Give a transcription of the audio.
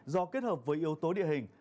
do kết hợp với yếu tố địa hình